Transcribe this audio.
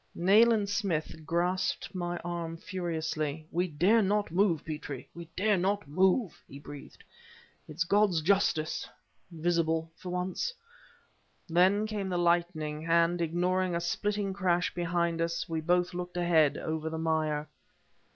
Nayland Smith grasped my arm furiously. "We dare not move, Petrie we dare not move!" he breathed. "It's God's justice visible for once." Then came the lightning; and ignoring a splitting crash behind us we both looked ahead, over the mire.